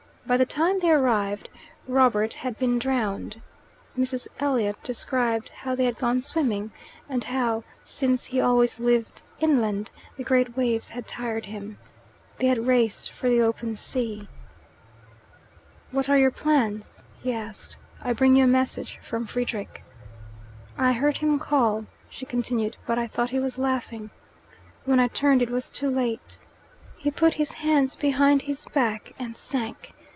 By the time they arrived Robert had been drowned. Mrs. Elliot described how they had gone swimming, and how, "since he always lived inland," the great waves had tired him. They had raced for the open sea. "What are your plans?" he asked. "I bring you a message from Frederick." "I heard him call," she continued, "but I thought he was laughing. When I turned, it was too late. He put his hands behind his back and sank.